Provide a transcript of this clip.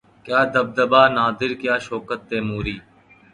کیا دبدبۂ نادر کیا شوکت تیموری